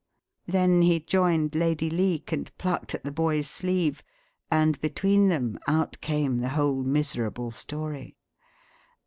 Then he joined Lady Leake, and plucked at the boy's sleeve, and between them out came the whole miserable story.